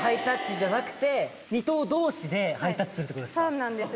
そうなんです。